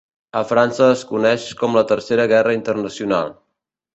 A França es coneix com la Tercera Guerra Internacional.